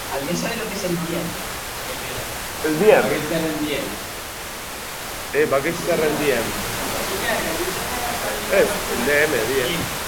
Idazleek idazkerarekin hitzarekiko ausentziari eta oroimenarekiko galeraren fantasmagoriari aurre egiten diote.